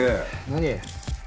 何？